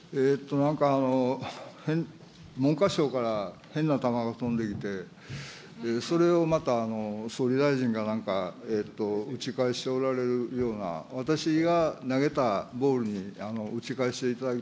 なんか文科相から変な球が飛んできて、それをまた、総理大臣がなんか、打ち返しておられるような私が投げたボールに打ち返していただき